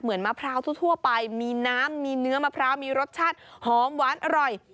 มะพร้าวทั่วไปมีน้ำมีเนื้อมะพร้าวมีรสชาติหอมหวานอร่อย